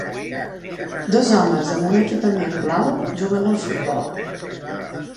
Dos homes amb un equipament blau juguen al futbol.